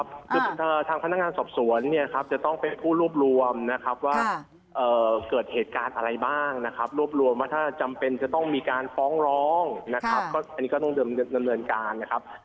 คือทางพนักงานสอบสวนเนี่ยครับจะต้องเป็นผู้รวบรวมนะครับว่าเกิดเหตุการณ์อะไรบ้างนะครับรวบรวมว่าถ้าจำเป็นจะต้องมีการฟ้องร้องนะครับก็อันนี้ก็ต้องดำเนินการนะครับ